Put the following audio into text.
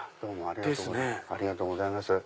ありがとうございます。